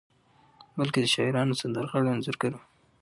بلکې د شاعرانو، سندرغاړو، انځورګرو